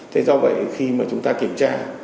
thế do vậy khi mà chúng ta kiểm tra